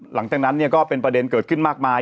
หลังจากนั้นก็เป็นประเด็นเกิดขึ้นมากมาย